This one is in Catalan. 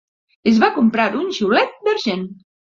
Es va comprar un xiulet d'argent.